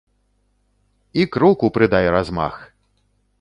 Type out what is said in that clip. І кроку прыдай размах!